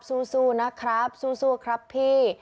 สู้นะครับสู้ครับพี่